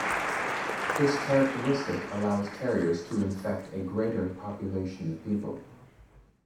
This characteristic allows carriers to infect a greater population of people.